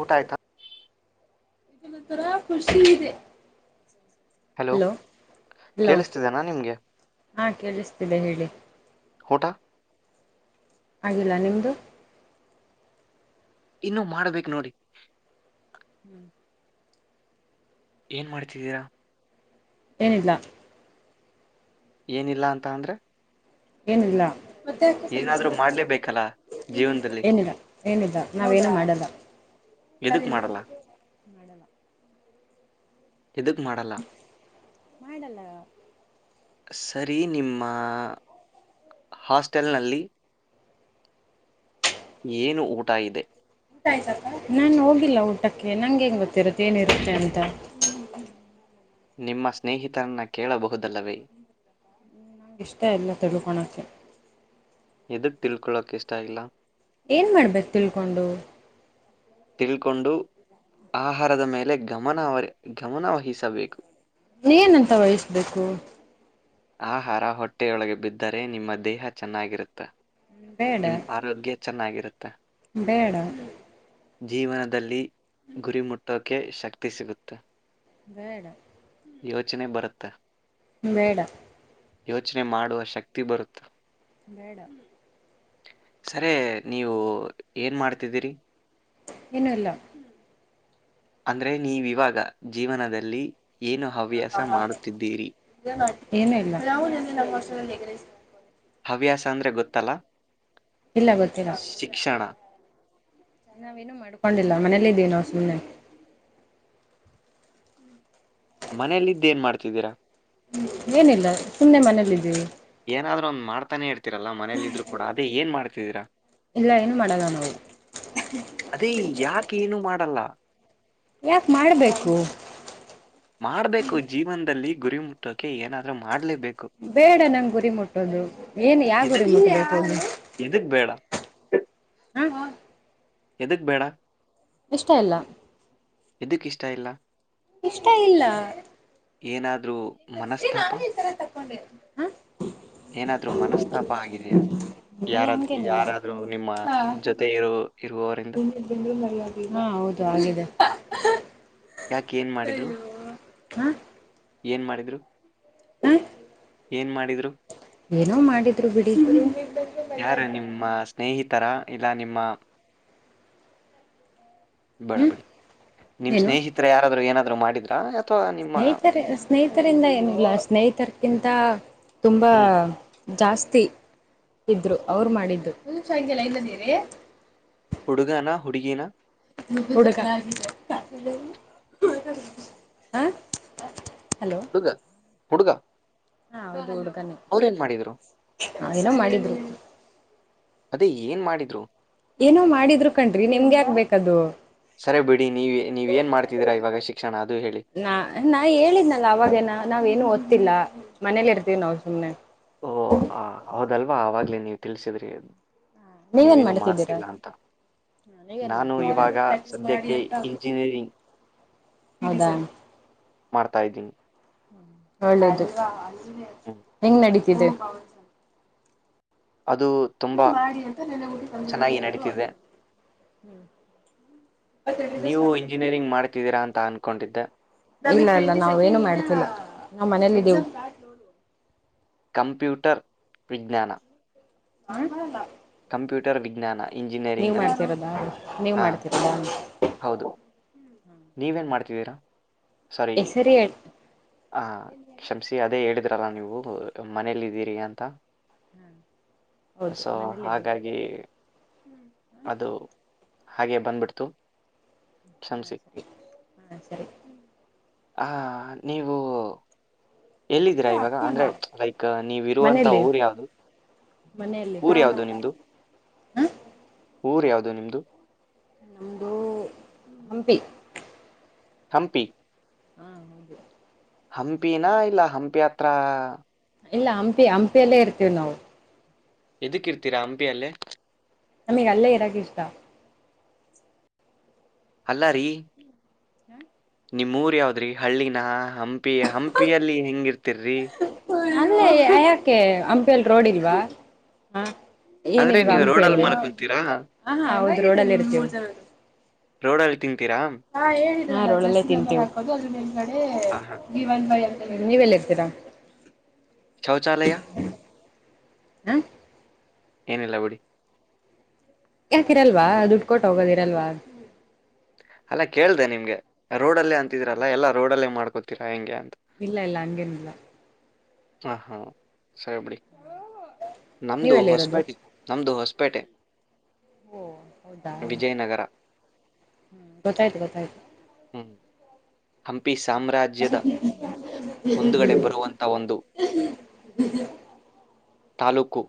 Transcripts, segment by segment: ಊಟಾಯತ ಇಲ್ಲ ತರ ಖುಷಿ ಇದೆ ಹಲೋ ಹಲೋ ಕೇಳಿಸ್ತಿದನಾ ನಿಮ್ಗೆ ಹಾ ಕೇಳಿಸ್ತಿದೆ ಹೇಳಿ ಹಟ ಆಗಿಲ್ಲ ನಿಮ್ದು ಇನ್ನು ಮಾಡ್ಬೇಕು ನೋಡಿ ಹ್ಮ್ ಏನ್ ಮಾಡ್ತಿದ್ದೀರಾ ಏನಡ್ಲ ಏನಿಲ್ಲಾ ಅಂತ ಅಂದ್ರೆ ಏನಿಲ್ಲ ಏನಾದ್ರೂ ಮಾಡ್ಲೇಬೇಕಲ್ಲ ಜೀವನದಲ್ಲಿ ಏನಿದ ಏನಿದ ನಾವೇನ ಮಾಡದ ಎದಕ್ ಮಾಡಲ್ಲ ಮಾಡ ಇದದಕ್ ಮಾಡಲ್ಲ ಮಾಡಲ್ಲ ಸರಿ ನಿಮ್ಮ ಹಾಸ್ಟೆಲ್ನಲ್ಲಿ ಏನು ಊಟ ಇದೆ ಊ ಆಯ್ತ ನಾನ್ ಹೋಗಿಲ್ಲ ಊಟಕ್ಕೆ ನಂಗ ಹೆಂಗ್ ಗೊತ್ತಿರುತ್ತೆ ಏನಿರುತ್ತೆ ಅಂತ ನಿಮ್ಮ ಸ್ನೇಹಿತರನ್ನ ಕೇಳಬಹುದಲ್ಲವೇ ನಂ ಇಷ್ಟ ಇಲ್ಲ ತಿಳ್ಕೋಳಕ್ಕೆೆ ಎದುಕ್ ತಿಳ್ಕೊೊಳ್ಳಕ್ ಇಷ್ಟ ಆಗಿಲ್ಲ ಏನ್ ಮಾಡ್ಬೇಕು ತಿಳ್ಕೊಂಡು ತಿಳ್ಕೊಂಡು ಆಹಾರದ ಮೇಲೆ ಗಮನ ಗಮನ ವಹಿಸಬೇಕು ನಂತ ವಯಸ್ಬೇಕು ಆಹಾರ ಹೊಟ್ಟೆಯೊಳಗೆ ಬಿದ್ದರೆ ನಿಮ್ಮ ದೇಹ ಚೆನ್ನಾಗಿರುತ್ತೆ ಬೇಡ ನಿಮ್ಮ್ ಆರೋಗ್ಯ ಚೆನ್ನಾಗಿರುತ್ತೆ ಬೇಡ ಜೀವನದಲ್ಲಿ ಗುರಿ ಮುಟ್ಟಕ ೆ ಶಕ್ತಿ ಸಿಗುತ್ತೆ ಬೇಡ ಯೋಚನೆ ಬರುತ್ತೆ ಮೇಡ ಯೋಚನೆ ಮಾಡುವ ಶಕ್ತಿ ಬರುತ್ತ ಮೇಡಮ ಸರಿ ನೀವು ಏನ್ ಮಾಡ್ತಿದ್ದೀರಿ ಇನ್ನುೂ ಇಲ್ಲ ಅಂದ್ರೆ ನೀ ವಿವಾಗ ಜೀವನದಲ್ಲಿ ಏನು ಹವ್ಯಾಸ ಮಾಡುತ್ತಿದ್ದೀರಿ ಏನ ಇಲ್ಲ ನಾವು ನಮ್ಮ ವುದು ಹವ್ಯಾಸ ಅಂದ್ರೆ ಗೊತ್ತಲ್ಲ ಇಲ್ಲ ಗೊರ್ತೀರ ಶಿಕ್ಷಣ ನಾವೇನುೂ ಮಾಡ್ಕೊಂಡಿಲ್ಲ ಮನೇಲ್ಲ ಇದಿದ್ದೀವಿ ನಾವು ಸುಮ್ಮನೆ ಮನೇಲ್ಲಿದ್ದ ಏನ್ ಮಾಡ್ತಿದ್ದೀರಾ ್ಮ ಏನಿಲ್ಲ ಸುಮ್ಮ್ನೆ ಮನೇಲ್ಲಿದ್ದೀವಿ ಏನಾದ್ರರು ಒಂದ್ ಮಾಡ್ತಾನೆ ಇರ್ತ ರಲ್ಲ ಮನೇಲ್ಲ ಇದ್ ಕೂಡ ಅದೇ ನ್ ಮಾಡ ಚೇರ ಇಲ್ಲ ಅನು ಮಳೆಗಾನ ಹವು ಕ್ಕೇನು ಮಾಡಲ್ಲ ಯಾಕ ಮಾಡ್ಬೇಕು ಮಾಡ್ಬೇಕು ಜೀವನದಲ್ಲಿ ಗುರಿ ಮುಟ್ಟೋಕೆ ಏನಾದ್ರೂ ಮಾಡ್ಲೇಬೇಕು ಬೇಡ ನಂಗೆ ಗುರಿ ಮುಟ್ಟೋದು ಏನ್ ಯಾವುರಿ ಎದಕ್ ಮುಟ್ಟ ಆಯತದು ಎದಕ್ ಬೇಡ ಹಾ ಹೌ ಎದಕ್ ಬೇಡ ಇಷ್ಟ ಅಲ್ಲ ಎದಕ್ಕ ಇಷ್ಟ ಇಲ್ಲ ಇಷ್ಟ ಇಲ್ಲ ಏನಾದ ಏ ನಾನ್ ಈ ತರ ತಕೊಂಡೆ ಹಾ ಏನಾದ್ರರು ಮನಸ್ತಾಪ ಆಗಿದೆಯಾ ಅಯ್ಯ ಯಾರಾದ್ ಹಂಗೇನಿಲ್ಲ ಯಾರಾದ್ರರು ನಿಮ್ಮ ಹಾ ಜೊತೆ ಇರು ಇರುವವರಿಂದ ಹಾ ಹೌದು ಆಗಿದೆ ಯಾಕ ಏನ್ ಮಾಡಿದ್ರು ಹ ಏನ್ ಮಾಡಿದ್ರು ಹಾ ಏನ್ ಮಾಡಿದ್ರು ಏನೋ ಮಾಡಿದ್ರು ಬಿಡಿ ಈ ಥರ ಇಲ್ಲ ನಿಮ್ಮ ಬಡ ಹ್ಮ್ ಬಡಿಿ ನಿಮ್ಮ್ ಸ್ನೇಹಿತರೆ ಯಾರಾದರೂ ಏನಾದರೂ ಮಾಡಿದ್ರು ಹಾ ಸ್ನೇಹಿತರ ಸ್ನೇಹಿತರಿಂದ ಏನಿಲ್ಲ ಸ್ನೇಹಿತರ್ಕಿಂತ ತುಂಬಾ ಹ್ಮ್ ಜಾಸ್ತಿ ಇದ್ರು ಅವ್ರು ಮಾಡಿದ್ದುಲ್ಲ ಹುಡುಗನಾ ಹುಡುಗೀನಾ ಎ ಹ ಹಲೋ ಹುಡುಗ ಹುಡುಗ. ಹಾ ಹೌೌದು. ಅವ್ರೇನ್ ಮಾಡಿದ್ರು ಹನೋ ಮಾಡಿದ್ರು. ಅದೇ ಏನ್ ಮಾಡಿದ್ರು. ಏನೋ ಮಾಡಿದ್ರು ಕಣ್ರಿ ನಿಮ್ಗೆ ಆಗ್ಬೇಕದು. ಸರಿ ಬಿಡಿ ನೀವ ನೀವ ಏನ್ ಮಾಡ್ತಿದ್ದೀರಾ ಇವಾಗ ಶಿಕ್ಷಣ ಅದು ಹೇಳಿ. ನಾ ಗೊತ್ತಿಲ್ಲ ಮನೇಲಿ ಇರ್ತೀವಿ ನಾವು ಸುಮ್ಮ್ನೆ. ಹ್ಮ. ಅಲ್ವಾ ಆವ್ಲೇ ನೀವು ತಿಳಸಿದ್ರಿ. ನೀವೇನ್ ನೀವೇನು ಮಾಡ್ತಿದ್ದೀರಾ ಮಾಡ್ತಿಲ್ಲ ಅಂತ ನೀವೇನ್ ನಾನು ಇವಾಗ ಸದ್ಯಕ್ಕೆ ಮಾಡ್ತಿದ್ದೀರಾ ಇಂಜಿನಿಯರಿಂಗ್ ಹೌದಾ ಮಾಡ್ತಾ್ದೀನಿ ಒಳ್ಳದುು ಹ್ಮ್ ಹೆಂಗ್ ನಡ ಕದೆ ಅದು ತುಂಬ ಮಾಡಿ ಅಂತ ನೆನ್ನೆ ಚೆನ್ನಾಗಿ ನಡೀತಿದೆ ಹ್ಮ್ ನೀವು ಇಂಜಿನಿಯರಿಂಗ್ ಮಾಡ್ ಇಿದ್ದೀರಾ ಅಂತ ಅನ್ಕೊಂಡಿದ್ದೆ ಇಲ್ಲ ಇಲ್ಲ ನಾವ್ ಏನು ಮಾಡ್ತಿಲ್ಲ ನಾವ್ ಮನೇಲ್ಲಿದ್ದೇವು. ಕಂಪ್ಯೂಟರ್ ವಿಜ್ಞಾನ. ಹ. ಕಂಪ್ಯೂಟರ್ ವಿಜ್ಞಾನ. ಇಂಜಿನಿಯರಿಂಗ್ ನೀವ್ ನಲ್ಲಿ ಮಾಡ್ತಿರೋದಾ ನೀವ್ ಹಾ ಮಾಡ್ತಿರೋದಾ. ಹೌದು. ನೀವೇನ್ ಮಾಡ್ತಿದ್ದೀರಾ. ಸಾರಿ ಹೆಸರಿ ಹೇಳಿ ಆ ಕ್ಷಮಸ ಅದೇ ಹೇಳ. ಲ್ಲ ನೀವು ಮನೇಲಿ ಇದ್ದೀರಿ ಅಂತ. ಹಾ ಹೌದು ಸೊ ಮನೇಲಿದ್ದೀವಿ ಹಾಗಾಗಿ. ಅದು. ಹಾಗೆ ಬಂದ್ಬಿಡ್ತು. ಹಾ ಕ್ಷಮಿಸಿ ಸರಿ ಹಾ ಸರಿ. ಹ ನೀವು. ಎಲ್ಲಿದ್ದೀರಾ ಇವಾಗ ಅಂದ್ರೆ ಲೈಕ್ ನೀವಿ ಇರುವಂತ ಮನೇಲಿ ಊರ್ ಯಾವ್ದದು ಮನೆಯಲ್ಲಿ ಊರ್ ಯಾವದು ನಿಮ್ದು. ಊರು ಯಾವು್ದದು ನಿಮದು. ನಮದು ಹಂಪಿ. ಹಂಪಿ. ಹಾ ಹಾಗೌದು. ಹಂಪಿನ ಇಲ್ಲ ಹಂಪಿ ಆತ ತ್ರಾ... ಇಲ್ಲ ಹಂಪಿ ಹಂಪಿಯಲ್ಲೇ ಇರ್ತೇವಿ ನಾವು. ಎದಕ್ಕಿರ್ತೀರಾ ಹಂಪಿಯಲ್ಲೇ. ನಮಗ್ ಅಲ್ಲೇ ಇರಾಕ ಇಷ್ಟಾ ಅಲ್ಲ ರೀ ಹ್ಮ ನಿಮ್ಮೂರ ಯಾವದ್ರಿ ಹಳ್ಳಿನ ಹಂಪಿ ಹಂಪಿಯಲ್ಲಿ ಹೆಂಗಿರ್ತ ಆಯಾಕೆ ಆಯಾಲ್ ರೋಡ್ ಇಲ್ವಾ ಹಾ ಅಂದ್ರೆ ಏನಿಲ್ವಾ ನೀವು ರೋಡಲ್ಲಿ ಹಂಪಲ್ಲಿ ಮಲ್ಕೊಂತೀರಾ ಹೌ ರೋಡಲ್ಲಿ ಇರ್ತೀವಿ ರೋಡಲ್ಲಿ ತಿ... ಹಾ ಹೇಳಿ.... ಹಾ ರೊಳ್ಳಲ್ಲೇ ತಿಂತೀವಿ.. ಮೆ ಆಹಾ. ಗೀವನ್ ಬೈ ನೀವೆಲ್ಲಿ ಇರ್ತೀರಾ?? ಶೌಚಾಲಯ ಹ! ಏನಿಲ್ಲ ಬಿಡಿ ಯಾಕಿರಲ್ವಾ? ದುಡ್ಡು ಕೊಟ್ಟು ಹೋಗೋದಿರಲ್ವಾ? ಅಲ್ಲ ಕೇಳ್ದ ನಿಮ್ಗೆ? ರೋಡಲ್ಲೇ ಅಂತಿದ್ರಲ್ಲ ಎಲ್ಲಾ ರೋಡಲ್ಲೇ ಮಾಡ್ಕೊತೀರಾ ಹೆಂಗೆ ಅಂತ. ಇಲ್ಲ ಇಲ್ಲ ಹಂಗೇನ ಇಲ್ಲ. ಹಾ ಹಾ ಸರಿಬಡಿ ನಮ್ದು ನೀವೆಲ್ಲ ಇರೋದು ಹೊಸಪೈಟ್ ನಮ್ದು ಹೊಸ್ಪ ಹೊಸಪೇಟೆ ಓ ಹೌದಾ ವಿಜಯನಗರ ಹ್ಮ್ ಗೊತ್ತಾಯ್ತು.. ಗೊತ್ತಾಯ್ತು... ಹ್ಮ್ ಹಂಪಿ ಸ ಸಾಮ್ರಾಜ್ಯದ... ಮುಂದುಗಡೆ ಬರುವಂಥ... ಒಂದು ತಾಲ್ಲೂಕು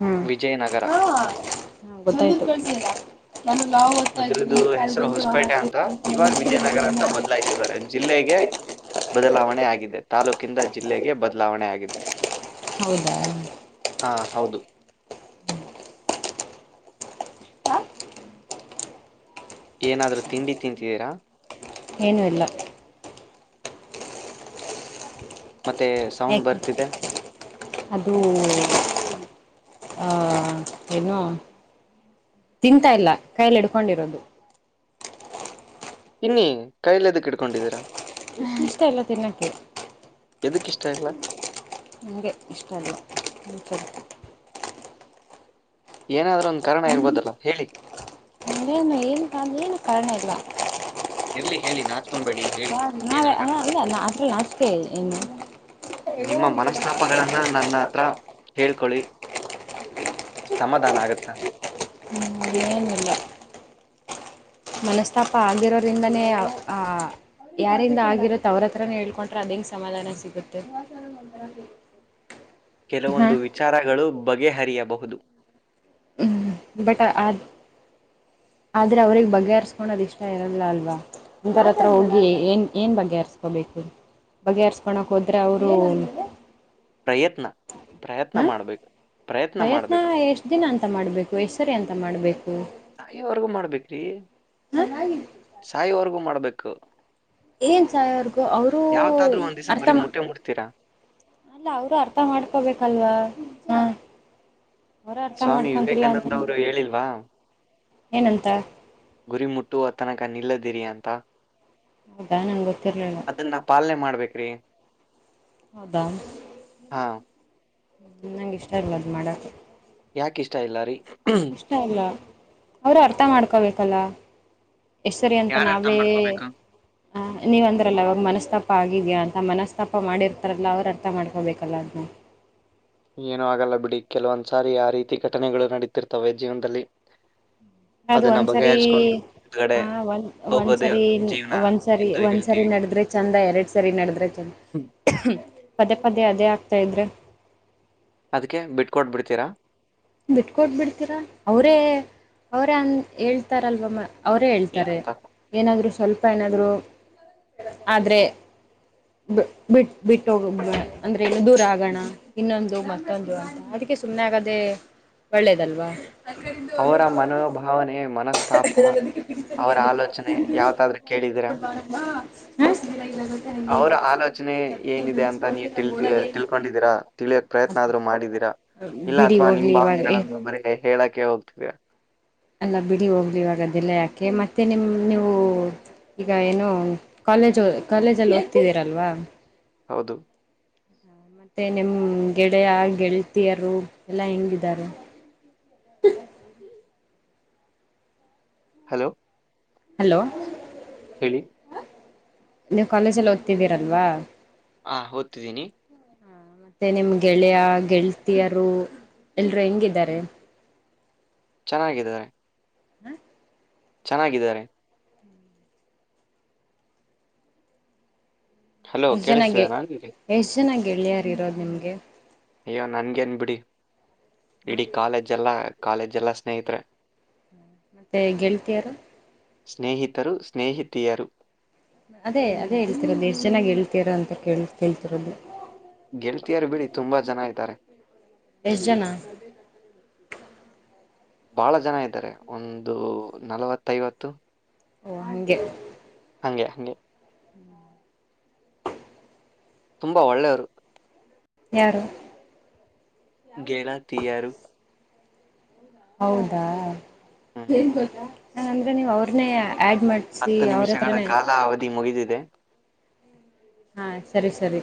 ಹ್ಮ್... ನಾನು ಲಾವ್ ಓದ್ತಾ ಅದ್ರದ್ದು ಇದ್ದೀನಿ ಅಲ್ಲಿ ಹೆಸರು ಬಂದು ಲಾವ್ ಹೊಸಪೇಟೆ ಅಂತ. ಇವಾಗ ವಿಜಯನಗರ ಅಂತ ಹಾಕಿರ್ತೀನಿ. ಬದ್ಲಾಯ್ಸಿದ್ದಾರೆ ಜಿಲ್ಲೆಗೆ. ಬದಲಾವಣೆ ಆಗಿದೆ, ತಾಲೂಕಿಂದ ಜಿಲ್ಲೆಗೆ ಬದಲಾವಣೆ ಆಗಿದೆ ಹೌದಾ.... ಹಾ ಹೌದು ಏನಾದ್ರೂ ತಿಂಡಿ ತಿಂತಿದ್ದೀರಾ??? ಏನು ಇಲ್ಲ. ಮತ್ತೆ ಏ ಸೌಂಡ್ ಕೆ ಬರ್ತಿದೆ ಅದು.... ಹ ಏನು ತಿಂತಾ ಇಲ್ಲ ಕೈಲಿ ಇಡ್ಕೊಂಡಿರೋದು ಇನ್ನಿ ಕೈಲೆ ಎದ್ದಕ್ ಇಡ್ಕೊಂಡಿದ್ದೀರಾ ಹ ಇಷ್ಟ ಎಲ್ಲ ತಿನ್ನೋಕ್ಕೆ ಅದಕ್ಕ ಇಷ್ಟ ಇಲ್ಲ ನನಗೆ ಇಷ್ಟ ಅಲ್ಲ ಏನಾದ್ರೂೊಂದು ಕಾರಣ ಇರ್ಬೋದಲ್ಲ ಹೇಳಿ ನ ಏನು ಕನ ಕಡಿಣ ಇಲ್ಲ ಲ್ಲಿ ಹೇಳಿ ನಾು ನಾರೆ ಅ ಇ ದ ಅಷ್ಟ ನಷ್ಟಕೇ ಇ ನಿಮ್ಮ ಮನಸ್ತಾಪಗಳನ್ನ ನನ್ನ ಹತ್ರ ಹೇಳ್ಕೊಳ್ಳಿ ಸಮಾಧಾನ ಆಗತ್ತ ಮೇನಲ್ಲ ಮನಸ್ತಾಪ ಆಗಿರೋ್ರಿಂದಾನೇ ಆ ಯಾರಿಂದ ಆಗಿರತ್ತ ಅವ್ರತ್ರನ ಹೇಳ್ಕೊೊಂಡ್ರೆ ಅದಂಗ್ ಸಮಾಧಾನ ಸಿಗುತ್ತೆ ಕೆಲವೊಂದು ಹಾಂ ವಿಚಾರಗಳು ಬಗೆಹರಿಯಬಹುದು ಬಟ್ ಅ್ ಆದ್ರೆ ಅವ್ರಗ್ ಬಗೆಹರ್ಸ್ಕೊಳೋದ್ ಇಷ್ಟ ಇರಲ್ಲ ಅಲ್ವಾ ಒಥರ ಹತ್ರ ಹೋಗಿ ಏನ್ ಏನ್ ಬಗೆಹರ್ಸ್ಕೊಬೇಕು ಬಗೆಹರ್ಸ್ಕೊಕ್ ಹೋದ್ರೆ ಅವರು ಪ್ರಯತ್ನ ಪ್ರಯತ್ನ ಹ ಮಾಡ್ಬೇಕು ಪ್ರಯತ್ನ ಎಷ್ಟ್ ದಿನ ಅಂತ ಮಾಡ್ಬೇಕು ಎಷ್ಟ ಸರಿ ಅಂತ ಮಾಡ್ಬೇಕು ನಾ ಇವರ್ಗೂ ಮಾಡ್ಬೇಕ್ರೀ ಸಹ ಅವ ಮಾಡ್ಬೇಕು ಏನ್ ಸಾಯ ಅವರ್ಗೂ ಅವರುೂ ಯಾವತ್ತಾದ್ರೂ ಒಂದ್ ದಿವ್ಸ ಅರ್ಥ ಗುರಿ ಮಾ ಮುಟ್ಟೆ ಮುಟ್ತೀರಾ ಅಲ್ಲ ಅವರು ಅರ್ಥ ಮಾಡ್ಕೋಬೇಕಲ್ವಾ ಹ ಅವ್ರ ಅರ್ಥ ಸ್ವಾಮಿ ಮಾಡ್ಕೊಂತಿಲ್ಲ ಅಂತ ವಿವೇಕಾನಂದ ಅವರು ಹೇಳಿಲ್ವಾ ಏನಂತ ಗುರಿ ಮುಟ್ಟು ತನಕ ನಿಲ್ಲದಿರಿಯಾ ಅಂತ ಹೌದಾ ನನ್ಗೆ ಗೊತ್ತಿರ್ಲಿಲ್ಲ ಕ್ರೀ ಹೌದಾ ಹಾ ನಂಗ ಇಷ್ಟ ಇಲ್ವಾ ಅದ್ ಮಾಡಕ್ ಯಾಕ ಇಷ್ಟ ಇಲ್ಲ ರೀ ಇಷ್ಟ ಇಲ್ಲ ಅವರು ಅರ್ಥ ಮಾಡ್ಕೊಬೇಕಲ್ಲ ಎಷ್ಟರಿ ಅಂತ ಯಾರ ಅರ್ಥ ನಾವೇ ಮಾಡ್ಕೋಬೇಕು ಆ ನೀವ್ ಅಂದ್ರಲ್ಲ ಅವವಾಗ ಮನಸ್ತಾಪ ಆಗಿದ್ಯಾ ಅಂತ ಮನಸ್ತಾಪ ಮಾಡಿರ್ತಾರಲ್ಲ ಅವ್ರು ಅರ್ಥ ಮಾಡ್ಕೋಬೇಕಲ್ಲ ಅದನ್ನ ಏನೂ ಆಗಲ್ಲ ಬಿಡಿ ಕೆಲವೊಂದ್ಸಾರಿ ಆ ರೀತಿ ಘಟನೆಗಳು ನಡೀತಿರ್ತವೆ ಜೀವನದಲ್ಲಿ ಅದು ಅದನ್ನ ಒಂದ್ಸರಿ ಬಗೆಹರಿಸಕೊಂಡು ಹೊರಗಡೆ ಆ ಒಂದ ಹೋಗೋದೇ ಒಂದ್ಸರಿ ಜೀವನ ಒಂದ್ಸರಿ ಎಂದು ಒಂದ್ಸರಿ ಹೇಳ್ತೀವಿ ನಡದ್ರೆ ಚಂದ ಎರಡ್ ಸರಿ ನಡದ್ರೆ ಚಂದ ಹ್ಮ್. ಪದೇ ಪದೇ ಅದೇ ಆಗ್ತಾ ಇದ್ರೆ ಅದಕ್ಕೆ ಬಿಟ್ಕೊಟ್ಬ ಬಿಡ್ತೀರಾ ಬಿಟ್ಕೊಟ್ ಬಿಡ್ತೀರ ಅವರೇ ಅವರೇ ಅನ್ ಹೇಳ್ತಾರಲ್ವಮ್ಮ ಅವರೇ ಹೇಳ್ತಾರೆ ಏನಂತ ಏನಾದ್ರು ಸ್ವಲ್ಪ ಏನಾದ್ರು ಆದ್ರೆ ಬಿಟ್ ಬಿಟ್ಟೋಗ ಅಂದ್ರೆ ದುರ ಆಗಣ ಇನ್ನೊಂದು ಮತ್ತೊಂದು ಅದಕ್ಕೆ ಸುಮ್ಮನೆ ಆಗದೆೇ ಒಳ್ಳೇದಲ್ವಾ ಅವರ ಮನೋಭಾವನೆ ಮನಸ್ತಾಪ ಅವರ ಆಲೋಚನೆ ಯಾವ್ದಾದ್ರೂ ಕೇಳಿದೀರಾ ಹ್ಮ ಅವರ ಆಲೋಚನೆ ಏನಿದೆ ಅಂತ ನೀ ತಿ ತಿಳ್ಕೊಂಡಿದ್ದೀರಾ ತಿಳಿಯಕ್ ಪ್ರಯತ್ನ ಆದ್ರರು ಮಾಡಿದ್ದೀರಾ ಇಲ್ಲ ಬಿಡಿ ಅಥವಾ ನಿನ್ ಹೋಗ್ಲಿ ಇವಾಗ ಭಾವನೆಗಳಗಳನ್ನು ಬರ ಹೇಳಕ್ಕೆೆ ಹೋಗ್ತೀವಿ ಅಲ್ಲ ಬಿಡಿ ಹೋಗ್ಲಿ ಇವಾಗ ದಲೆ ಹಾಕೆ ಮತ್ತೆ ನಿಮ ನೀವು ಈಗ ಏನು ಕಾಲೇಜ್ ಕಾಲೇಜಲ್ಲಿ ಹೋಗ್ತಿದ್ದೀರಲ್ವಾ ಹೌದು ಮತ್ತೆ ನಿಮ್ ಗೆಳೆಯ ಗೆಳತಿಯರು ಎಲ್ಲಾ ಹೆಂಗಿದ್ದಾರೆ ಹಲೋ ಹಲೋ ಹೇಳಿ. ನೀವು ಕಾಲೇಜಲ್ಲಿ ಓದ್ತಿದ್ದೀರಲ್ವಾ ಹಾ ಓದ್ತಿದ್ದೀನಿ. ಹಾ ಮತ್ತೆ ನಿಮ್ ಗೆಳೆಯ ಗೆಳತಿಯರು ಎಲ್ರುೂ ಹೆಂಗಿದ್ದಾರೆ ಚೆನ್ನಾಗಿದ್ದಾರೆ ಚೆನ್ನಾಗಿದ್ದಾರೆ ಹಲೋ ಕೇಳಿಸ್ತಿದೆ ನಾ ನಿಗೆ ಚೆನ್ನಾಗ ಳಿಯಾರ ಇರೋದು ನಿಮ್ಗೆ ಅಯ್ಯೋ ನನ್ಗೇನ್ ಬಿಡಿ ಹ ಇಡೀ ಕಾಲೇಜ್ ಎಲ್ಲ ಕಾಲೇಜೆಲ್ಲ ಸ್ನೇಹಿತರೆ ಮತ್ತೆ ಗೆಳ್ತಿಯಾರ ಸ್ನೇಹಿತರು ಸ್ನೇಹಿತಿಯರು ಅದೇ ಅದೇ ಹೇಳ್ತಿರೋದು ಎಷ್ಟು ಚೆನ್ನಾಗಿ ಹೇಳ್ತೀರ ಅಂತ ಕೇಳ ಕೇಳ್ತಿರೋದು ಗೆಲ್ತಿಯಾರ ಬಿಡಿ ತುಂಬಾ ಜನ ಐತಾರೆ ಎಷ್ಟ್ ಜನ ಬಹಳ ಜನ ಇದ್ದಾರೆ ಒಂದು ನಲವತ್ತೈವತ್ತು ಓ ಹಗೆ ಹಗೆ ಹಾಗಗೆ ತುಂಬಾ ಒಳ್ಳೆಯವರು ಯಾರು ಗೇಲ ತೀಯಾರ ಹೌದಾ ಹ್ಮ್ ಹಏನ್ ಗಟಾ ಹ ಅಂದ್ರೆ ನೀವ್ ಅವ್ರನೇ ಹತ್ತು ನಿಮಿಷಗಳ ಕಾಲ ಅವಧಿ ಮುಗಿದಿದೆ ಹಾ ಸರಿ ಸರಿ